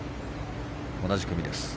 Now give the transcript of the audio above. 同じ組です。